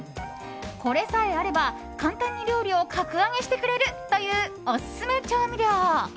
これさえあれば、簡単に料理を格上げしてくれるというオススメ調味料。